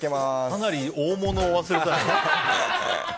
かなりの大物を忘れてたね。